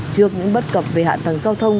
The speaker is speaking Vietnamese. trước những bất cập về hạ tầng giao thông